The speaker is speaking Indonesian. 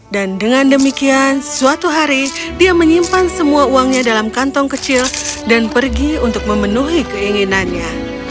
dan dengan demikian suatu hari dia menyimpan semua uangnya dalam kantong kecil dan pergi untuk memenuhi keinginannya